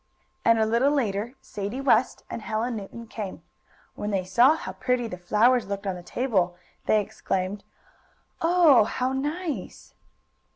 And, a little later, Sadie West and Helen Newton came. When they saw how pretty the flowers looked on the table they exclaimed: "Oh, how nice!"